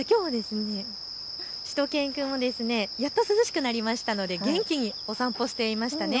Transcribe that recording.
しゅと犬くんもやっと涼しくなりましたので元気にお散歩をしていましたね。